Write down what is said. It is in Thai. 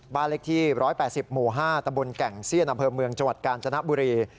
บ้านเล็กที่๑๘๐โหม๕ตะบลแก่งเซียนอำเภอเมืองจกาญจนบุรี